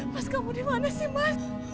pas kamu dimana sih mas